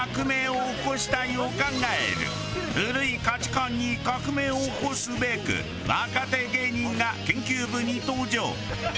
古い価値観に革命を起こすべく若手芸人が研究部に登場。